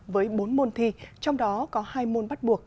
với bốn môn thi trong đó có hai môn bắt buộc